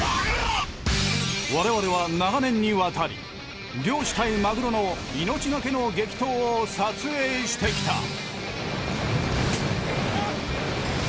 我々は長年にわたり漁師対マグロの命懸けの激闘を撮影してきた。